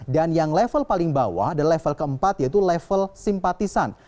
dan yang level paling bawah level keempat yaitu level simpatisan